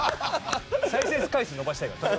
再生回数伸ばしたいから。